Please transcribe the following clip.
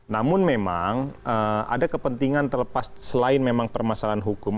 namun memang ada kepentingan terlepas selain memang permasalahan hukum